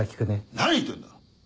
何言ってんだ！